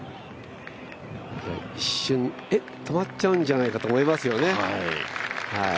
一瞬、え、止まっちゃうんじゃないかと思いますよね。